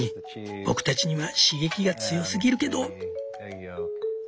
僕たちには刺激が強すぎるけど」。